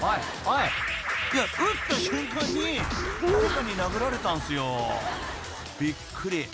［いや打った瞬間に誰かに殴られたんすよ］［びっくり］